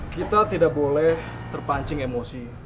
kita tidak boleh terpancing emosi